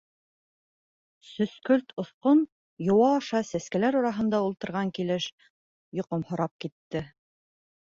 Сөскөлт оҫҡон, йыуа ашап, сәскәләр араһында ултырған килеш йоҡомһорап китте.